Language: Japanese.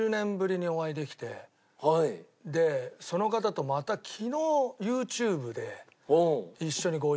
でその方とまた昨日ＹｏｕＴｕｂｅで一緒にご一緒して。